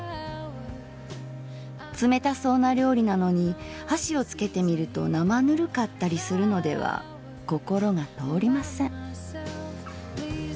「つめたそうな料理なのに箸をつけて見るとなまぬるかったりするのでは心が通りません」。